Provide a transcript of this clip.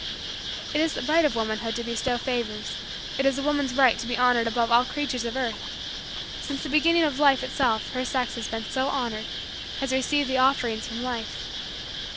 It is the right of womanhood to bestow favors. It is a woman's right to be honored above all creatures of earth. Since the beginning of life itself her sex has been so honored has received the offerings from life.